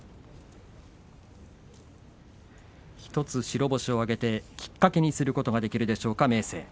１つ白星を挙げてきっかけにすることができるでしょうか、明生。